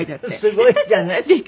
すごいじゃない。